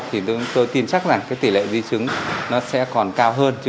thì tôi tin chắc rằng cái tỷ lệ vi chứng nó sẽ còn cao hơn